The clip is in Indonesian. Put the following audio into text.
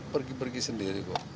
pergi pergi sendiri kok